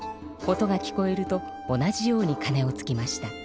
音が聞こえると同じようにかねをつきました。